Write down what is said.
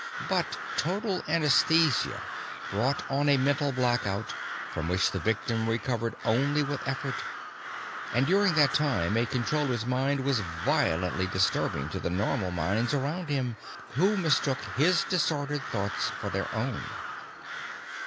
But total anaesthesia brought on a mental blackout from which the victim recovered only with effort. And during that time, a Controller's mind was violently disturbing to the Normal minds around him, who mistook his disordered thoughts for their own.